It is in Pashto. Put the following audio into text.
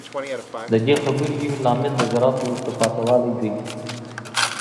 د دې خبرې یو لامل د زراعت وروسته پاتې والی دی